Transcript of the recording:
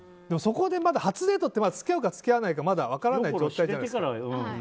初デートってまだ付き合うか付き合わないかまだ分からないじゃないですか。